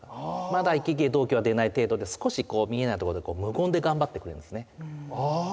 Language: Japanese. まだ息切れ動悸は出ない程度で少しこう見えないとこで無言で頑張ってくれるんですね。